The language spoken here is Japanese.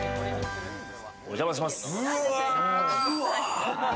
お邪魔します。